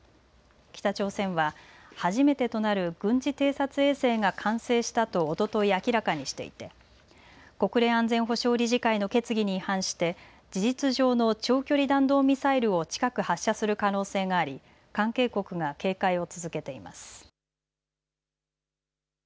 北朝鮮は初めてとなる軍事偵察衛星が完成したとおととい明らかにしていて国連安全保障理事会の決議に違反して事実上の長距離弾道ミサイルを近く発射する可能性があり関係国が警戒を続けています。